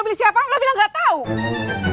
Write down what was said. beli siapa lo bilang enggak tahu ada